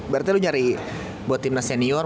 berarti lu nyari buat timnas senior